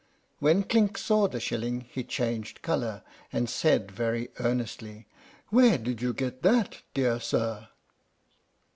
When Clink saw the shilling he changed color, and said, very earnestly, "Where did you get that, dear sir?"